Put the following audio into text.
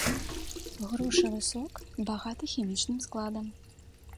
Грушавы сок багаты хімічным складам.